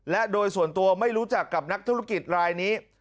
และโดยส่วนตัวไม่รู้จักกับนักธุรกิจรายนี้